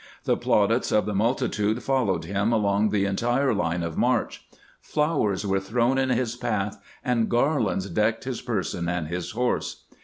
The plaudits of the multitude followed him along the entire line of march; flowers were strewn in his path, and garlands decked his person and his horse.